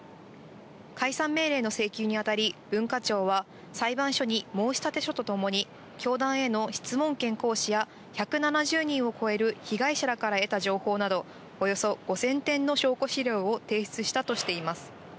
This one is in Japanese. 解散命令の請求にあたり、文化庁は裁判所に申立書とともに、教団への質問権行使や１７０人を超える被害者らから得た情報など、およそ５０００点の証拠資料を提出したとしています。